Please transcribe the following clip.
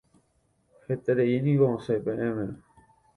Hetereíngo osẽ peẽme.